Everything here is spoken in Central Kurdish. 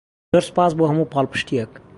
زۆر سوپاس بۆ هەموو پاڵپشتییەک.